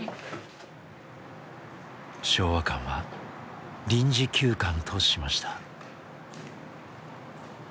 昭和館は臨時休館としました。